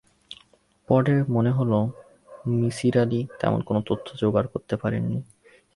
পড়ে মনে হল নিসার আলি তেমন কোনো তথ্য জোগাড় করতে পারেন নি।